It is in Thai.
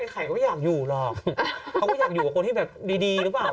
ไข่ก็ไม่อยากอยู่หรอกเขาก็อยากอยู่กับคนที่แบบดีหรือเปล่า